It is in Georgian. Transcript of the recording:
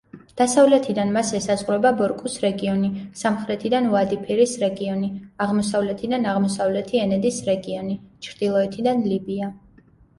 დასავლეთიდან მას ესაზღვრება ბორკუს რეგიონი, სამხრეთიდან უადი-ფირის რეგიონი, აღმოსავლეთიდან აღმოსავლეთი ენედის რეგიონი, ჩრდილოეთიდან ლიბია.